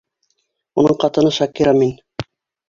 Уның ҡатыны Шакира мин.